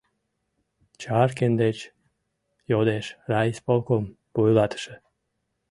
— Чаркин деч йодеш райисполком вуйлатыше.